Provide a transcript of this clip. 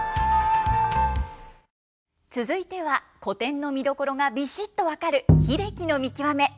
続いては古典の見どころがビシっと分かる英樹さん